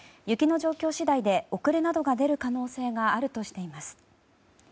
雪の状況次第で遅れなどが出る可能性があるとしています。